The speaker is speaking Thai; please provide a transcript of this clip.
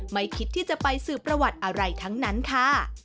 ไม่คิดที่จะไปสื่อประวัติอะไรทั้งนั้นค่ะ